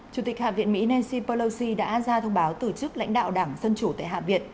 chủ tịch hạ viện mỹ nancy pelosi đã ra thông báo từ chức lãnh đạo đảng dân chủ tại hạ viện